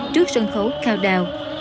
trước sân khấu countdown